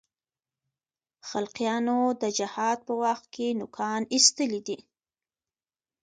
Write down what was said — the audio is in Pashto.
خلقیانو د جهاد په وخت کې نوکان اېستلي دي.